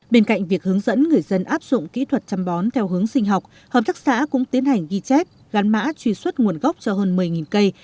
bên cạnh việc hướng dẫn người dân áp dụng kỹ thuật chăm bón theo hướng sinh học hợp tác xã cũng tiến hành ghi chép gắn mã truy xuất nguồn gốc cho hơn một mươi cây